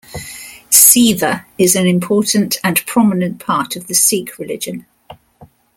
Seva is an important and prominent part of the Sikh religion.